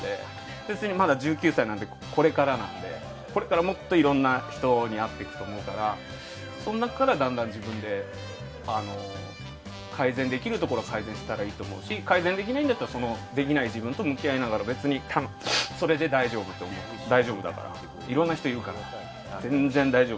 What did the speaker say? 別にまだ１９歳なのでこれからなのでこれからもっといろんな人に会っていくと思うからその中から、だんだん自分で改善できるところを改善したらいいと思うし改善できないならそのできない自分と向き合いながらそれで大丈夫だからいろんな人いるから、全然大丈夫。